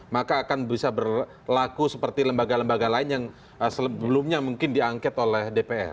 maka akan bisa berlaku seperti lembaga lembaga lain yang sebelumnya mungkin diangket oleh dpr